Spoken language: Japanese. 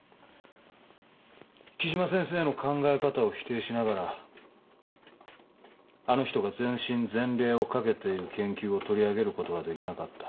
木島先生の考え方を否定しながらあの人が全身全霊をかけている研究を取り上げることはできなかった。